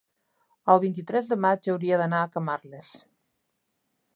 el vint-i-tres de maig hauria d'anar a Camarles.